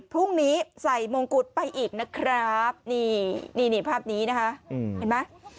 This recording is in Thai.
พรุ่งนี้ใส่มงกุฎไปอีกนะครับนี่นี่ภาพนี้นะคะเห็นไหม